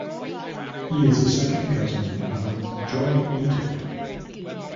He is a second cousin of Joi Ito.